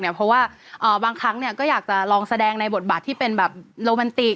เพราะว่าบางครั้งก็อยากจะลองแสดงในบทบาทที่เป็นแบบโรแมนติก